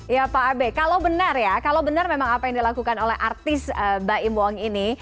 ya pak abe kalau benar ya kalau benar memang apa yang dilakukan oleh artis baim wong ini